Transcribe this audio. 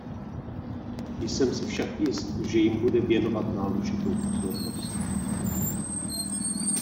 Jsem si však jist, že jim bude věnovat náležitou pozornost.